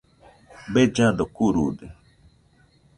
Bellado kurude